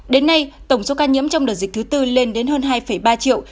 đến nay tổng số ca nhiễm trong đợt dịch thứ tư lên đến hơn hai ba triệu